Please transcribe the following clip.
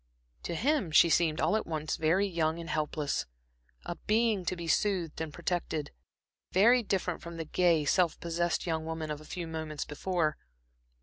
To him she seemed all at once very young and helpless, a being to be soothed and protected; very different from the gay, self possessed young woman of a few minutes before.